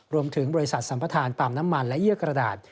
รวมถึงบริษัทสำประทานปากน้ำมันและเยี่ยวกระดาษ